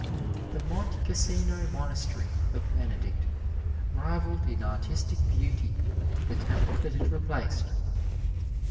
The Monte Cassino monastery of Benedict rivaled in artistic beauty the temple that it replaced.